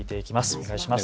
お願いします。